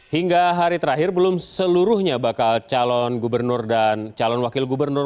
hingga hari terakhir belum seluruhnya bakal calon gubernur dan calon wakil gubernur